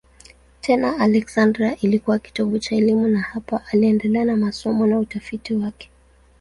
Tena Aleksandria ilikuwa kitovu cha elimu na hapa aliendelea na masomo na utafiti wake.